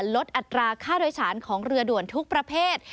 อัตราค่าโดยสารของเรือด่วนทุกประเภท